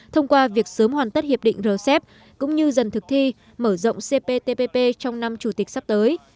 thông qua việc sớm hoàn tất hiệp định rcep cũng như dần thực thi mở rộng cptpp trong năm chủ tịch sắp tới